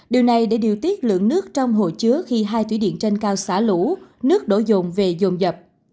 điều này để điều tiết lượng nước trong hồ chứa khi hai thủy điện trên cao xả lũ nước đổ dồn về dồn dập